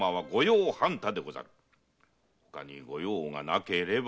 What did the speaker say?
ほかにご用がなければ。